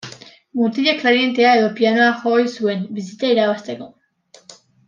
Mutilak klarinetea edo pianoa jo ohi zuen, bizitza irabazteko.